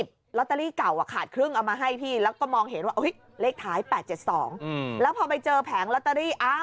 พี่แล้วอีก๔๓ใบพี่เช็คยังอ่ะ